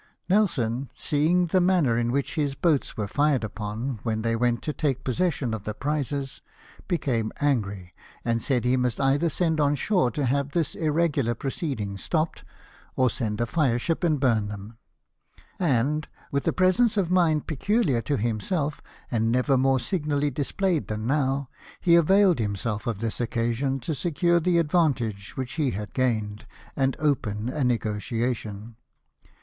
Nelson, seeing the manner in which his boats were fired upon when they went to take possession of the prizes, became angry, and said he must either send on shore to have this irregular proceeding stopped, or send a fire ship and burn them ; and, with a presence of mind peculiar to himself, and never more signally displayed than now, he availed himself of this occasion to secure the advantage which he had gained, and open a negotiation.